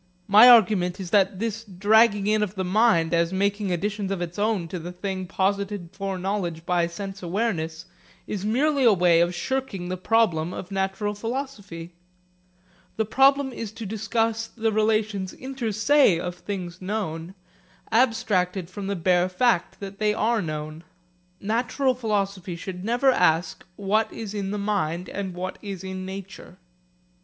My argument is that this dragging in of the mind as making additions of its own to the thing posited for knowledge by sense awareness is merely a way of shirking the problem of natural philosophy. That problem is to discuss the relations inter se of things known, abstracted from the bare fact that they are known. Natural philosophy should never ask, what is in the mind and what is in nature.